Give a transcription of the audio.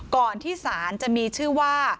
ก่อนที่ศาลจะมีชื่อว่า